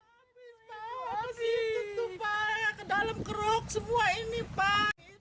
masih masih tutup airnya ke dalam keruk semua ini pak